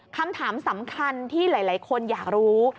คำถามสำคัญที่หลายคนอยากรู้